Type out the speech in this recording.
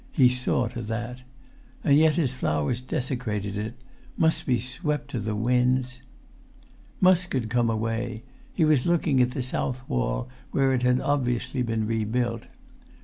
He saw to that. And yet his flowers desecrated it; must be swept to the winds ... Musk had come away. He was looking at the south wall where it had obviously been rebuilt.